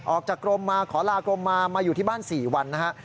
ออกจากกรมมาขอลากรมมามาอยู่ที่บ้าน๔วันนะฮะ